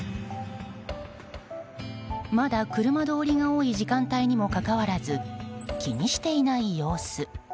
まだ車通りが多い時間帯にもかかわらず気にしていない様子。